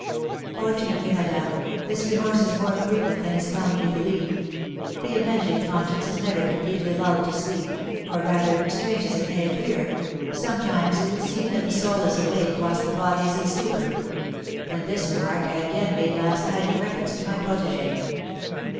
"Fortunately, madame, this remorse is more frequent than is commonly believed. The avenging conscience is never completely lulled to sleep; or, rather, strange as it may appear, sometimes it would seem that the soul is awake whilst the body is in a stupor; and this remark I again made last night in reference to my protégée."